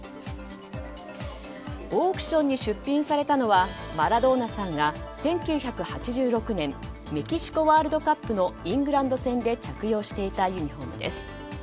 オークションに出品されたのはマラドーナさんが１９８６年メキシコワールドカップのイングランド戦で着用していたユニホームです。